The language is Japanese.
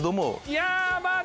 いやまぁ。